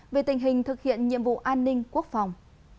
về tình hình thực hiện nhiệm vụ an ninh quốc phòng